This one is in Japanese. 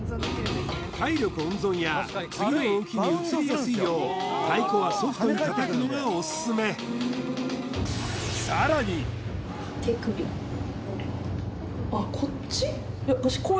体力温存や次の動きに移りやすいよう太鼓はソフトに叩くのがおすすめあっこっち？